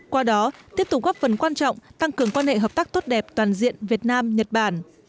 qua đó tiếp tục góp phần quan trọng tăng cường quan hệ hợp tác tốt đẹp toàn diện việt nam nhật bản